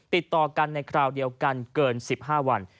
ติดต่อกันในคราวเดียวกันเกิน๑๕วัน